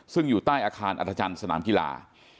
ซึ่งอยู่ใต้อาคารอัธจันทร์สนามกีฬา